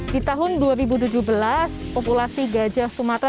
di tahun dua ribu tujuh belas populasi gajah sumatera